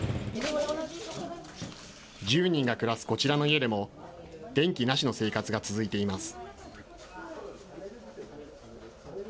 １０人が暮らすこちらの家でも、電気なしの生活が続いています。